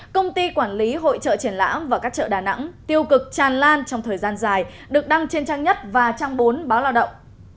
công ty quản lý hội trợ triển lãm và các chợ đà nẵng tiêu cực tràn lan trong thời gian dài được đăng trên trang nhất và trang bốn báo lao động